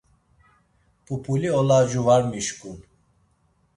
Pupuli olacu var mişǩun.